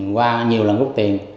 qua nhiều lần rút tiền